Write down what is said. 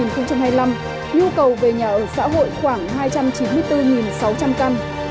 nhu cầu về nhà ở xã hội khoảng hai trăm chín mươi bốn sáu trăm linh căn